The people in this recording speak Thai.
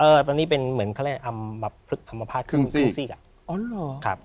เออตอนนี้เป็นเหมือนเขาเรียกอำราภาคครึ่งสิก